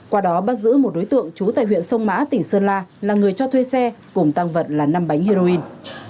qua đó bắt giữ một đối tượng trú tại huyện sông mã tỉnh sơn la là người cho thuê xe cùng tăng vật là năm bánh heroin